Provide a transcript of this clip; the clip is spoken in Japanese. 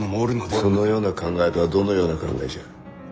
そのような考えとはどのような考えじゃ。